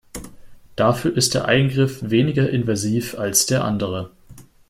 Dafür ist der Eingriff weniger invasiv als der andere.